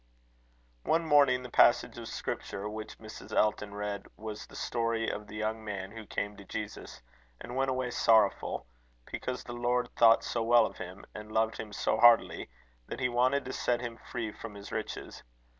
One morning, the passage of scripture which Mrs. Elton read was the story of the young man who came to Jesus, and went away sorrowful, because the Lord thought so well of him, and loved him so heartily, that he wanted to set him free from his riches.